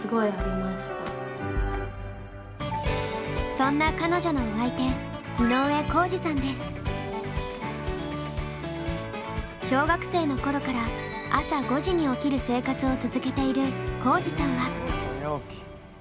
そんな彼女のお相手小学生の頃から朝５時に起きる生活を続けている皓史さんは。